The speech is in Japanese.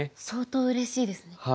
相当うれしいですね。